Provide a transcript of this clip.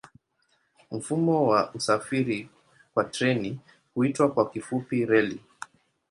Mfumo wa usafiri kwa treni huitwa kwa kifupi reli.